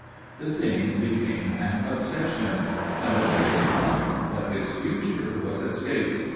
The thing became an obsession. Not only his honour but his future was at stake.